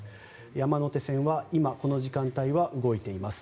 山手線は今、この時間帯は動いています。